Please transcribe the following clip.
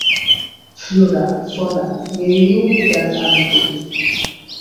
Flora, Fauna, Merryweather aunty.